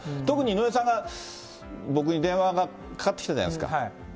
特に井上さんが僕に電話がかかってきたじゃないですか。